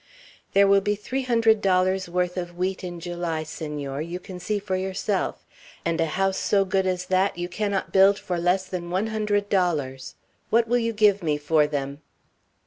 "There will be three hundred dollars' worth of wheat in July, Senor, you can see for yourself; and a house so good as that, you cannot build for less than one hundred dollars. What will you give me for them?"